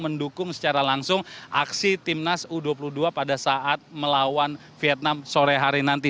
mendukung secara langsung aksi timnas u dua puluh dua pada saat melawan vietnam sore hari nanti